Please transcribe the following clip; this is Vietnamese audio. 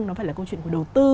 nó phải là câu chuyện của đầu tư